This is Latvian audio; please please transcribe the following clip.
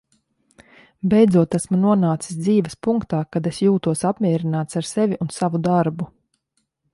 Beidzot esmu nonācis dzīves punktā, kad es jūtos apmierināts ar sevi un savu darbu.